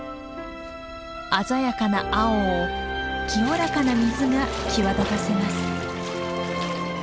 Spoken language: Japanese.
鮮やかな青を清らかな水が際立たせます。